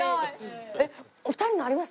えっお二人のあります？